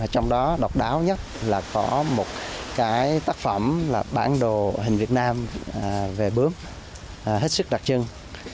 trong đó độc đáo nhất là có một cái tác phẩm là bản đồ hình việt nam về bướm hết sức đặc trưng